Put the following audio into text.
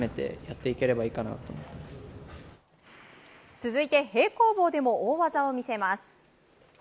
続いて平行棒でも大技を見せます。